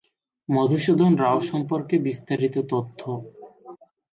মধুসূদন রাও সম্পর্কে বিস্তারিত তথ্য